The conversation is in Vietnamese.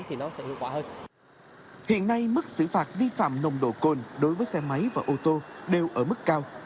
hiện nay mức xử phạt vi phạm nồng độ cồn đối với xe máy và ô tô đều ở mức cao